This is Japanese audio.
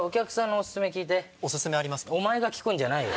お前が聞くんじゃないよ！